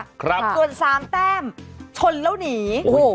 อีกถึง๓แต้มชนแล้วหนี